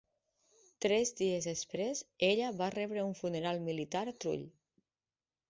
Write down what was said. Tres dies després, ella va rebre un funeral militar a Trull.